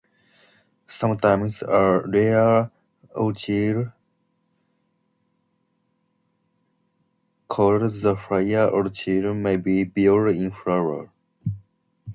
Sometimes a rare orchid called the fire orchid may be viewed in flower.